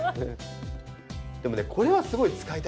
でもねこれはすごい使いたいんだよね。